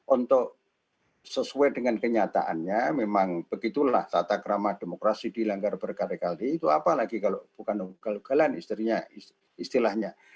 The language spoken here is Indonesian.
untuk sesuai dengan kenyataannya memang begitulah tata kerama demokrasi dilanggar berkali kali itu apalagi kalau bukan ugal ugalan istrinya istilahnya